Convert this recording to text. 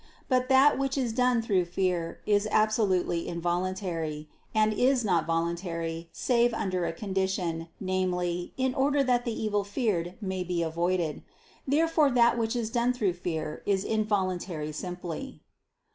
But that which is done through fear, is absolutely involuntary; and is not voluntary, save under a condition, namely, in order that the evil feared may be avoided. Therefore that which is done through fear, is involuntary simply.